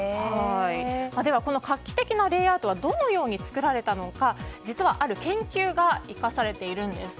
ではこの画期的なレイアウトはどのような作られたのか実はある研究が生かされているんです。